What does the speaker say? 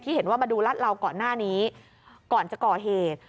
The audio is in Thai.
เห็นว่ามาดูรัดเหลาก่อนหน้านี้ก่อนจะก่อเหตุ